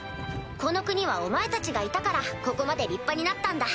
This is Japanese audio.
この国はお前たちがいたからここまで立派になったんだ。